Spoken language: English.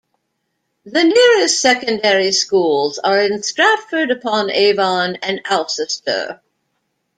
The nearest secondary schools are in Stratford-upon-Avon and Alcester.